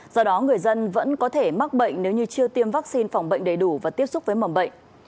do đó người dân vẫn có thể mắc bệnh nếu như chưa tiêm vaccine phòng bệnh đầy đủ và tiếp xúc với mầm bệnh